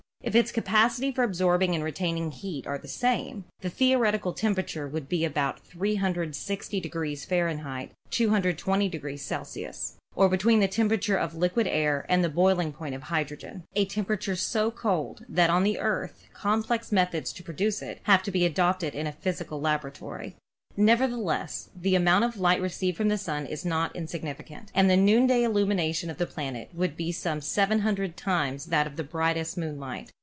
If its capacity for absorbing and retaining heat are the same, the theoretical temperature would be about 360 F. (220 C), or between the temperature of liquid air and the boiling point of hydrogen, a temperature so cold that on the Earth complex methods to produce it have to be adopted in a physical laboratory. Nevertheless, the amount of light received from the Sun is not insignificant, and the noonday illumination of the planet would be some 700 times that of brightest moonlight.